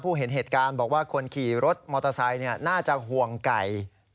เห็นเหตุการณ์บอกว่าคนขี่รถมอเตอร์ไซค์น่าจะห่วงไก่